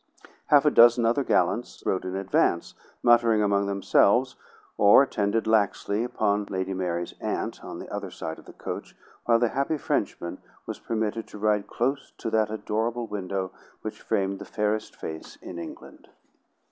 Half a dozen other gallants rode in advance, muttering among themselves, or attended laxly upon Lady Mary's aunt on the other side of the coach, while the happy Frenchman was permitted to ride close to that adorable window which framed the fairest face in England.